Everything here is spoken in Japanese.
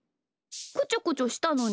こちょこちょしたのに？